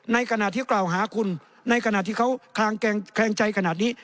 ในขณะที่กล่าวหาคุณในขณะที่เขาแคลงใจขนาดนี้